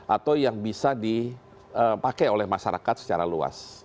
atau yang bisa dipakai oleh masyarakat secara luas